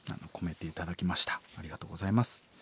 ありがとうございます。